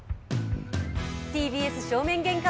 ＴＢＳ正面玄関